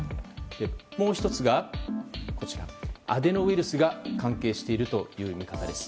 もう１つが、アデノウイルスが関係しているという見方です。